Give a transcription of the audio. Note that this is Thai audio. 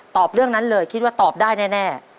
เรื่องนั้นเลยคิดว่าตอบได้แน่